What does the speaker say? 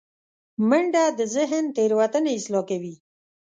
منډه د ذهن تیروتنې اصلاح کوي